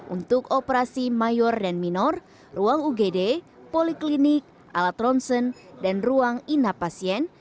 untuk operasi mayor dan minor ruang ugd poliklinik alat ronsen dan ruang inap pasien